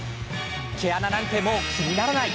毛穴なんて、もう気にならない。